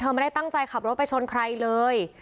ไม่ได้ตั้งใจขับรถไปชนใครเลย